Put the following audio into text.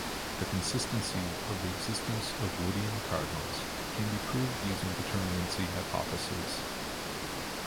The consistency of the existence of Woodin cardinals can be proved using determinacy hypotheses.